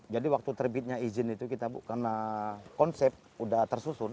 jadi waktu terbitnya izin itu kita bu karena konsep sudah tersusun